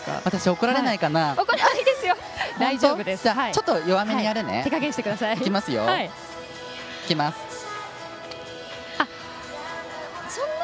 怒られないかな？